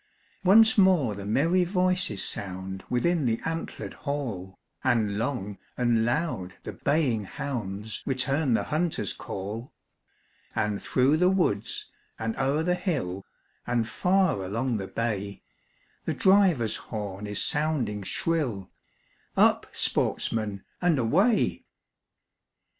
Once more the merry voices sound Within the antlered hall, And long and loud the baying hounds Return the hunter's call; And through the woods, and o'er the hill, And far along the bay, The driver's horn is sounding shrill, Up, sportsmen, and away!